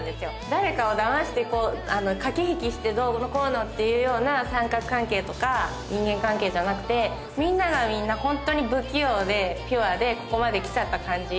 誰かをだましてかけひきしてどうのこうのっていうような三角関係とか人間関係じゃなくてみんながみんなホントに不器用でピュアでここまできちゃった感じ